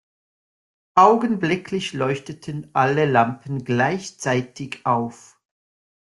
Augenblicklich leuchteten alle Lampen gleichzeitig auf.